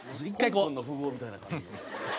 香港の富豪みたいな感じの。